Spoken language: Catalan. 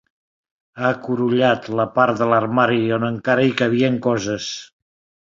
Ha curullat la part de l'armari on encara hi cabien coses.